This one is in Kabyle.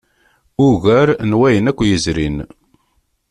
Ugar n wayen akk yezrin.